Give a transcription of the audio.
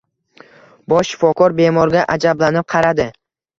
Bosh shifokor bemorga ajablanib qaradi.